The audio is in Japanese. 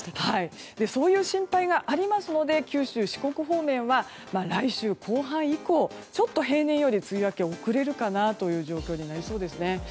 そういう心配がありますので九州、四国方面は来週後半以降、ちょっと平年より梅雨明けが遅れるかなという状況になりそうですね。